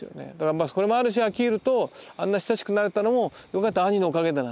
これもある種アキールとあんな親しくなれたのもよく考えたら兄のおかげだなと。